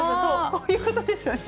こういうことですかね。